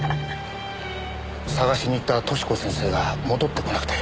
捜しに行った寿子先生が戻ってこなくて。